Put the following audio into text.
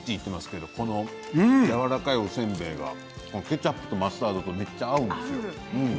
このやわらかいおせんべいがケチャップとマスタードとめっちゃ合うんですよ。